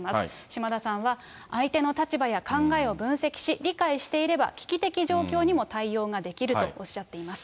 島田さんは、相手の立場や考えを分析し、理解していれば危機的状況にも対応ができるとおっしゃっています。